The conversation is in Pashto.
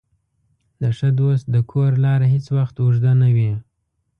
د ښه دوست د کور لاره هېڅ وخت اوږده نه وي.